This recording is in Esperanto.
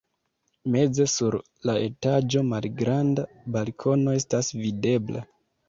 Meze sur la etaĝo malgranda balkono estas videbla.